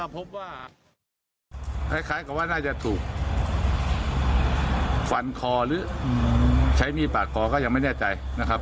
พบว่าคล้ายกับว่าน่าจะถูกฟันคอหรือใช้มีดปาดคอก็ยังไม่แน่ใจนะครับ